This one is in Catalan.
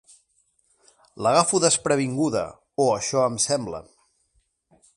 L'agafo desprevinguda, o això em sembla.